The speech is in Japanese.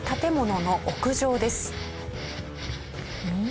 うん？